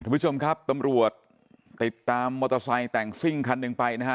ผู้ชมครับตำรวจติดตามมอเตอร์ไซค์แต่งซิ่งคันหนึ่งไปนะฮะ